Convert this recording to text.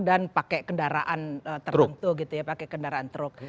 dan pakai kendaraan terbentuk gitu ya pakai kendaraan truk